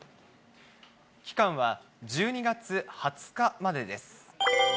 期間は１２月２０日までです。